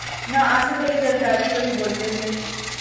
نہ آصف علی زرداری کبھی بولتے تھے۔